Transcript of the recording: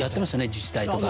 自治体とか。